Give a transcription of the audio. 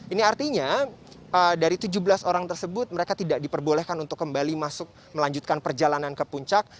ini artinya dari tujuh belas orang tersebut mereka tidak diperbolehkan untuk kembali masuk melanjutkan perjalanan ke puncak